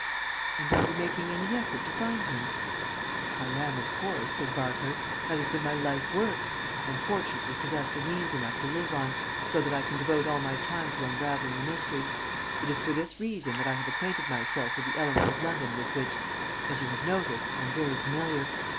"And are you making any effort to find him?" "I am, of course," said Barker; "that has been my life work. I am fortunately possessed of means enough to live on, so that I can devote all my time to unravelling the mystery. It is for this reason that I have acquainted myself with the element of London with which, as you have noticed, I am very familiar.